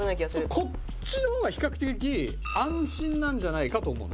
こっちの方が比較的安心なんじゃないかと思うの。